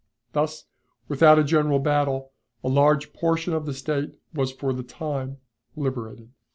Thus, without a general battle, a large portion of the State was for the time liberated.